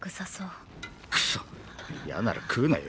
クソッ嫌なら食うなよ